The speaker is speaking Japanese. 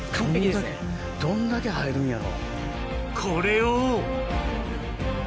どんだけ入るんやろ？